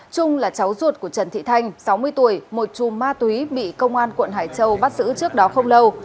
trung là cháu ruột của trần thị thanh sáu mươi tuổi một chùm ma túy bị công an quận hải châu bắt giữ trước đó không lâu